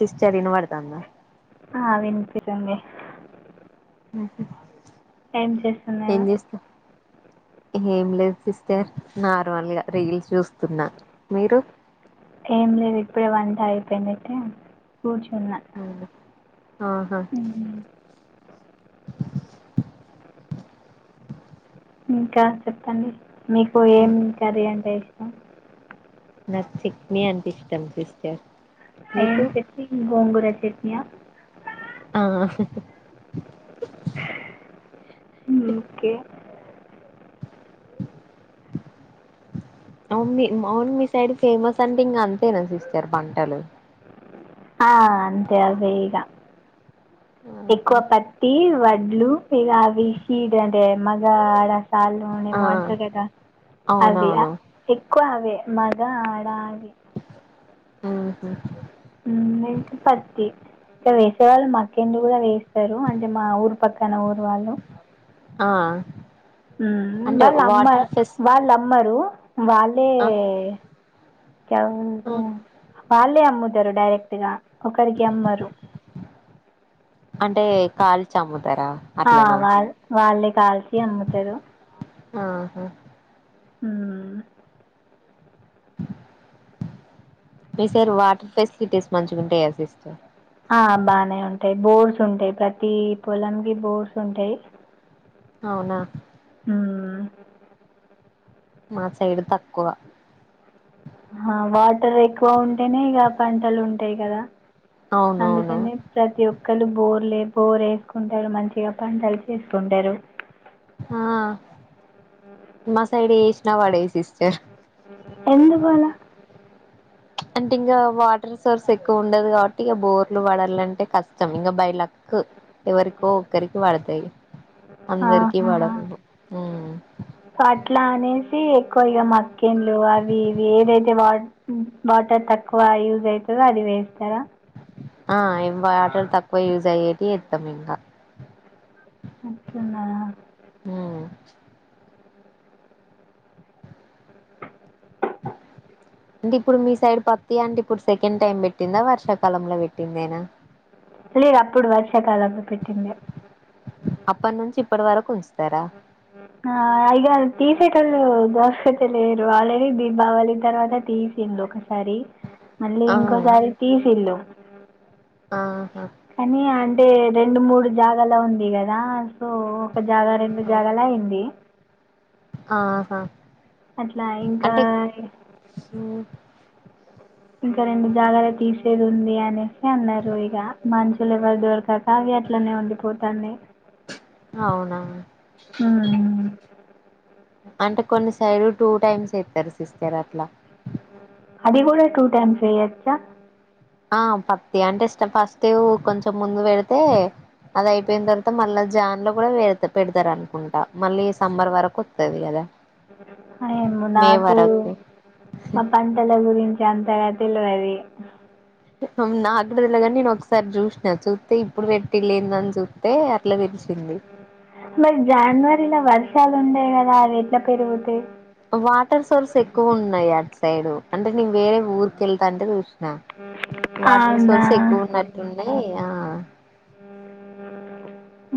Sister వినబడుతుందా ఆహ్ వినిపిస్తుంది. ఉహు. ఏం చేస్తున్నారు. ఏం లేదు సిస్టర్ నార్మల్గా రీల్స్ చూస్తున్న మీరు. ఏం లేదు ఇప్పుడే వంట అయిపోయింది అయితే కూర్చున్నా. ఆహా. మ్మ్. ఇంకా చెప్పండి మీకు ఏం కర్రీ అంటే ఇష్టం. నాకు చట్నీ అంటే ఇష్టం సిస్టర్. ఏం మీకు చట్నీ గోంగూర చట్నీయా. అహ్ అవును. ఓకే. అవును మీ మౌన్ మీ సైడ్ ఫేమస్ అంటే ఇంగా అంతేనా సిస్టర్ పంటలు. ఆహ్ అంతే అదే ఇగా ఎక్కువ పత్తి. వడ్లు ఇగా అవ్వి సీడ్ అంటే మగ ఆడ. [unintelligible] ఆ ఏమంటారు గాద అవి ఇగా అవునవును ఎక్కువ అవ్వే మాగ ఆడ. ఊహు. ఇక వేసేవాళ్ళు మాక్కంటి గూడా వేస్తారు అంటే మా ఊరు పక్కన ఊరు వాళ్ళు. ఆహ్. ఉమ్ వాళ్ళు అమ్మ వాళ్ళు అమ్మారు వాళ్ళే. ఓకే. వాళ్ళే అమ్ముతారు డైరెక్ట్ గా ఒకరికి అమ్మరు. అంటే కాలు చమ్ముర్. ఆహ్ వాళ్ వాళ్ళే కాల్చి అమ్ముతారు. ఆహా. ఉమ్. మీ సైడ్ వాట్ర్ ఫెస్కిటీస్ మంచిగుంటాయా. [unintelligible] ఆ బానే ఉంటయ్ బోర్సుంటయ్ ప్రతీ పొలంకి బోర్సుంటయ్. ఔనా. ఉమ్. మా సైడు తక్కువ ఆహ్ వాటర్ ఎక్కువ ఉంటేనే ఇగ పంటలు ఉంటాయి కదా. అవునవును అందుకన్నే ప్రతి ఒక్. క్కలు బోర్లే బోర్ ఎసుకుంటారు మంచిగా పంటలు చేసుకుంటారు. ఆ మా సైడ్ ఏష్నా వాడవ్ సిస్టర్. ఎందుకు అలా. అంటింగ వాటర్ సోర్సెక్కువుండదు గాబట్టి ఇగ బోర్లు బడల్లంటే కష్టం ఇంగ బై లక్కు. ఎవరికో ఒక్కర్కి వడ్తయ్ ఆహా ఉమ్ కట్లా అనేస్ సీ ఎక్కువ ఇగ మక్కెన్లు అవీ ఇవీ ఏదైతె వాట్ మ్ వాటర్ తక్కువ యూజైత [unintelligible] అది వేస్తర. ఆ ఇమ్ వాటర్ తక్కువ యూజయ్యేటి ఏత్తమింగ. అట్లనా. ఊమ్. అంటిప్పుడు మీ సైడ్ పత్తీ ఆంటిప్పుడ్ సెకంటైమ్ బెట్టిందా వర్షాకాలంలొ వెట్టిందేన. లేదప్పుడు వర్షాకాలంలొ పెట్టిందె. అప్పడ్నుంచిప్పడవరకుంచ్ ఆ ఇగాల్ తీసేటొళ్ళూ దోస్సైతెలేరు ఆల్రెడీ దీబావలి తర్వాత తీసిండొకసారి. మళ్ళీ ఆ ఇంకోసారి తీసిల్లు. ఆహా అనీ అంటే రెండు మూడు జాగాలో ఉంది గదా. సో ఒక జాగా రెండు ఆ జాగాలా ఏంది. ఆహా అట్లా ఇంకా అంటె ఊమ్. ఇంక రెండు జాగాల తీసేదుంది అనేసి అన్నారు ఇగ మన్షులెవ్వర్ దొర్కక అట్లనే ఉండిపోతాన్నాయ్. ఔనా. అంటె కొన్ని సైడు టూటైమ్సేత్తరు సిస్టరట్ల. అది గూడా టూటైమ్స్ ఏయొచ్చా. ఆ పత్తి అంటే ష్టఫ ఫస్టేవ్ కొంచం ముందు వెడితే అదైపెయ్న్ దర్వాత మళ్ళా జాన్ లొ గుడా వేరత్త పెడ్తారనుకుంట మళ్ళీ సమ్మర్ వరకొత్తది గద. అ ఏమొ నాకూ మ పంటల గురి చి అంతగా తెల్వది. ఔన్ నాగ్గూడా దెల్వద్ గాని నేనొక్సారి జూష్న జూత్తే ఇప్పుడు వెట్టిల్లేందని జూత్తే మరి జాన్వరిలా వర్షాలు ఉండయ్ గదా అవెట్ల పెరుగుతయ్. కువున్నాయట్ సైడు అంటె నేన్ వేరే ఊర్కేల్తాంటె జూష్ న వాటర్ అవునా సోర్సెక్కువున్నటున్నయ్ ఆ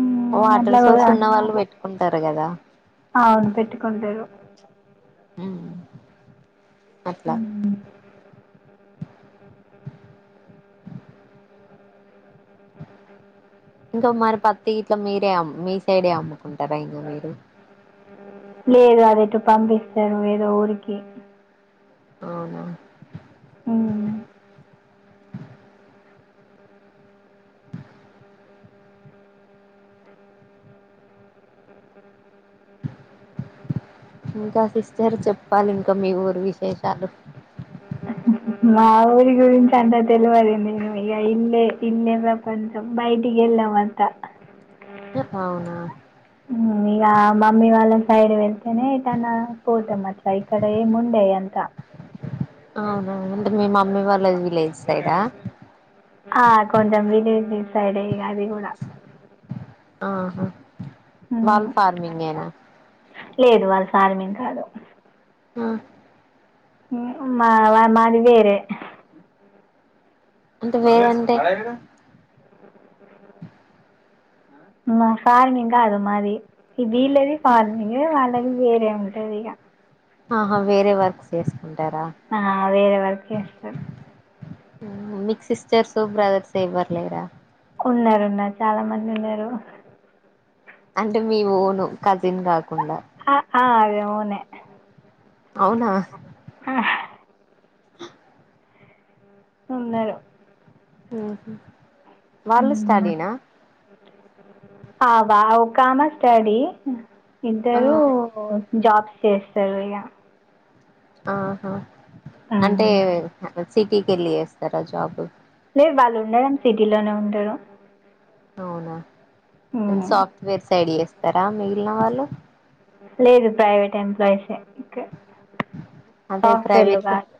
ఊమ్ అట్ల వాటర్ సోర్స్ గూడా ఉన్న వాళ్ళు పెట్టుకుంటారు కదా ఔన్ పెట్టుకుంటరు. ఊమ్ అట్ల ఉమ్. ఇంక మరి పత్తి గిట్ల మీరే అమ్ మీ సైడే అమ్ముకుంటారా ఇంగ మీరు లేదు అదెటొ పంపిస్తారు ఏదో ఊరికి. ఔనా. ఊమ్. ఇంకా సిస్టర్ చెప్పాలి ఇంక మీ ఊర్ విశేషాలు. మా ఊరి గురించి అంత తెల్వది నేను ఇగ ఇల్లే తిండే ప్రపంచం బయ్టికెల్ల అవంట అవునా హ్మ్ ఇగ మమ్మీ వాళ్ళని సైడు వెళ్తేనే ఎటన్నా పోతమట్ల ఇక్కడ ఏముండయంతా. అవునా అంటే మీ మమ్మీ వాళ్ళ విలేజ్ సైడా ఆ కొంచెం విలేజ్ సైడే అది గుడా ఆహా వాల్ ఫార్మింగేనా లేదు వాళ్లు పార్మింగ్ కాదు ఆ మా మాదివేరే అంటే వేరంటే మ ఫార్మింగ్ గాదు మాది వీళ్లది ఫార్మింగ్ వాళ్ళది వేరే ఉంటదిగా ఆహా వేరే వర్క్స్ చేసుకుంటారా ఆ వేరే వర్క్ చేస్తారు మీక్ సిస్టర్స్ బ్రదర్స్ ఎవ్వర్లేరా ఉన్నారున్నారు చాలా మంది ఉన్నారు అంటే మీ ఓన్ కజిన్ గాదు ఆ ఆ అదే ఒనే అవునా ఆ ఉన్నరు వాళ్ళు స్టడీ మ్మ్. నా ఆ వా ఒకామా స్టడీ ఆ, ఇద్దరూ జాబ్స్ చేస్తరు ఇగ ఆహా అంటే మ్మ్. సిటీకెళ్ళి చేస్తారా జాబ్ లేదు వాళ్ళు ఉండడం సిటీలోనే ఉంటరు అవునా సాఫ్ట్వేర్స్ సైడ్ చేస్తారా మిగిలిన వాళ్ళు లేదు ప్రైవేట్ ఎంప్లాయిసే అదే సాఫ్ట్వేర్ లో ప్రైవేట్ కాదు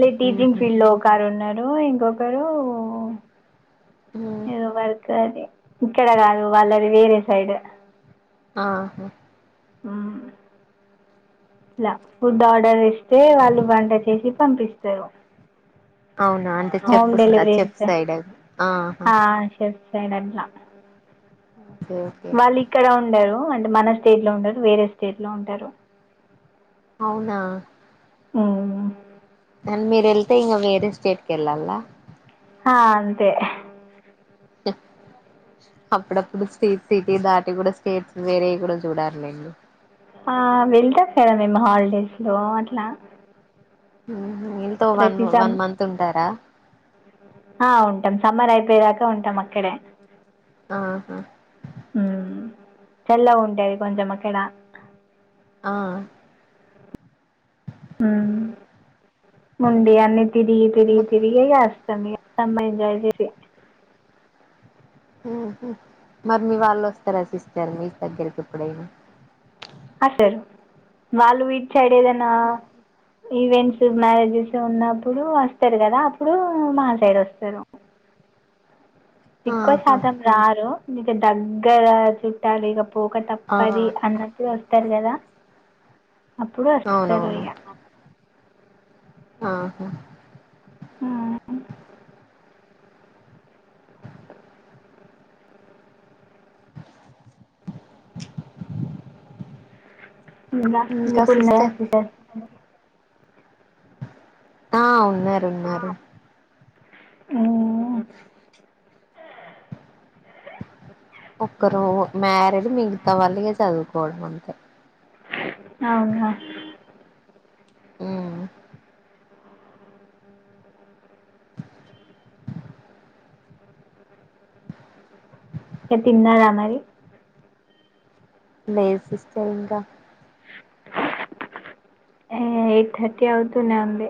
లే టీచింగ్ ఉహు ఫీల్డ్ లో ఒకారు ఉన్నారు ఇంకొక కొకరు ఎదో వర్క్ అది ఇక్కడ కాదు వాళ్ళది వేరే సైడ్ ఆ ఇలా ఫుడ్ ఆర్డర్ చేస్తే వాళ్ళు వంట చేసి పంపిస్తరు అవునా అంటే చెఫ్ హోమ్ డెలివరీ చెఫ్ చేస్తరు సైడ్ అది. ఆహా ఆ షెఫ్ అయినట్ల ఉ వాళ్ళు ఇక్కడ ఉండరు అంటే మన స్టేట్ లో ఉండరు వేరే స్టేట్ లో ఉంటారు అవునా ఉ అని మీరు వెళ్తే ఇంకా వేరే స్టేట్కి వెళ్ళాల ఆ అంతే అప్పుడప్పుడు స్టేట్ సిటీ దాటి కూడా స్టేట్స్ వేరేవి కూడా చూడాలేండి ఆ వెళ్తాం కదా మేము హాలిడేస్లో అట్లా ఉమ్ ఎంతో వన్ వన్ మంత్ ఉంటారా హ ఉంటాం సమ్మర్ అయిపోయేదాకా ఉంటాం అక్కడే ఆహా చల్లగ ఉంటది కొంచెం అక్కడ ఆ ఉమ్ వుండి అన్ని తిరిగి తిరిగి తిరిగి ఆగస్థ సమ్మీర్ సుమీ ఎంజాయ్ చేసి ఉమ్ మరి మీ వాళ్ళు వస్తార సిస్టర్ మీ దగ్గరికి ఎప్పుడైనా హా సార్ వాళ్ళు విడిచేడ్ఏదన ఈవెంట్స్ మ్యారేజెస్ ఉన్నప్పుడు వస్తారు కదా అప్పుడు మా సైడ్ వస్తారు ఎక్కువ ఆహా శాతం రారు ఇంక దగ్గర చుట్టాలు ఇగా పోక ఆ తప్ప అది అన్నంటు వస్తారు కదా అప్పుడు అస్తరు అవునవును ఇగ ఆహా ఉమ్ ఇంకా మీకు ఉన్నారా సిస్టర్ ఆ ఉన్నార్ ఉన్నారు ఉమ్ ఒక్కరు మ్యారేడ్ మిగతా వాళ్ళ ఇగా చదువుకోవడం అంతే అవునా మ్ తీన్ తిన్నారా మరి లేద్ సిస్టర్ ఇంకా ఏ ఎయిట్ థర్టీ అవుతునే ఉంది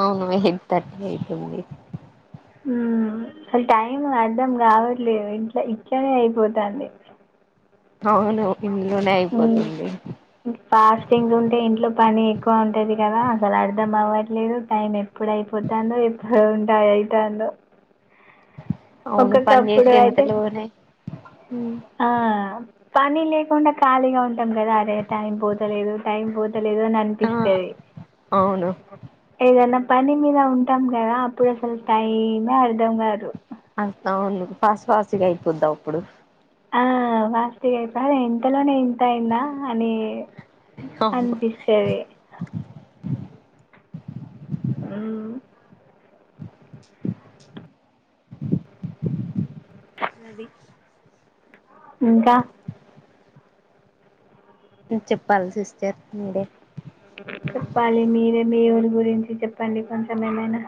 అవును ఎయిట్ థర్టీ అయితుంది ఉమ్ అసల్ టైంము అర్ధం కావట్లేదు ఇంట్లో ఇట్లనే అయిపోతంది అవును ఇంట్లోనే మ్మ్ అయిపోతుంది ఫాస్టింగ్స్ ఉంటే ఇంట్లో పని ఎక్కువ ఉంటది కదా అసలు అర్థం అవ్వట్లేదు టైం ఎప్పుడ అయిపోతుందో ఎప్పుడు ఉంటా అయితందో అవును పని చేసి అయితే ఎంతలోనే ఆ పని లేకుండా ఖాళీగా ఉంటాం కదా అదే టైం పోతలేదు టైం పో తలేదు అని ఆ అనిపిస్తేది అవును ఏదన్నా పని మీద ఉంటాం కదా అప్పుడు అసలు టైమే అర్ధం కాదు అంత వాళ్లు ఫస్ట్ ఫస్ గా అయ్యిపోదిప్పుడు ఆ ఫాస్టుగా ఐత ఇంతలోనే ఇంత అయిందా అని అవును అనిపిస్తది ఉమ్ నవీ ఇంకా మ్ చెప్పాలి సిస్టర్ మీరే చెప్పాలి మీరే మీ ఊరి గురించి చెప్పండి కొంచెం ఏమైనా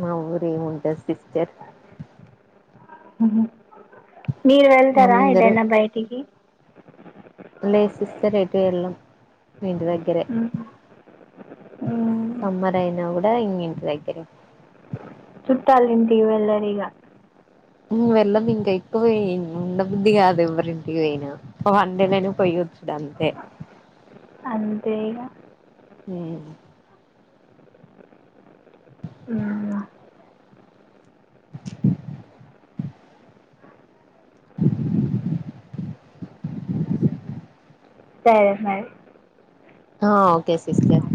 మా ఊరు ఏం ఉంటాది సిస్టర్ మీరు వెళ్తారా అందరూ ఎటైనా బయటకి లేద్ సిస్టర్ ఎట్టు వెళ్ళాం ఇంటి దగ్గరే మ్మ్. సమ్మెర్ అయిన కూడా ఇ ఇంటి దగ్గరే చుట్టాలింటి వెళ్ళర్ ఇగ ఉమ్ వెళ్ళం ఇంకా ఎక్కువ ఎ ఉండ బుద్ది కాదు ఎవ్వరింటికి పోయినా వన్డే పోయొచ్చ అంతే అంతే ఇగ ఉమ్ ఉమ్ సరే మరి ఆ ఓకే సిస్టర్